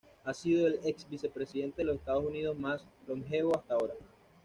Ha sido el ex-vicepresidente de los Estados Unidos más longevo hasta ahora.